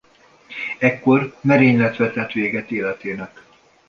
Ekkor merénylet vetett véget életének.